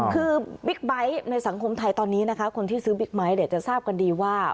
คือบิ๊กไบท์ในสังคมไทยตอนนี้นะคะคนที่ซื้อบิ๊กไบท์เดี๋ยวจะทราบกันดีว่า